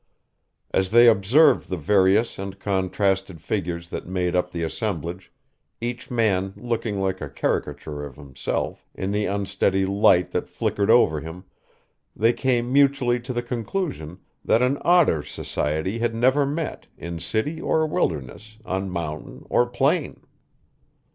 As they observed the various and contrasted figures that made up the assemblage, each man looking like a caricature of himself, in the unsteady light that flickered over him, they came mutually to the conclusion, that an odder society had never met, in city or wilderness, on mountain or plain.